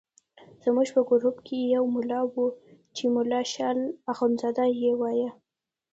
زموږ په ګروپ کې یو ملا وو چې ملا شال اخندزاده یې وایه.